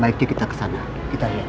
baiknya kita ke sana